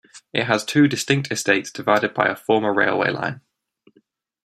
It has two distinct estates, divided by a former railway line.